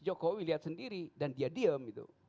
jokowi lihat sendiri dan dia diam